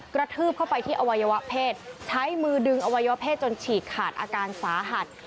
กระทืบเข้าไปที่อวัยวะเพศใช้มือดึงอวัยวะเพศจนฉีกขาดอาการสาหัส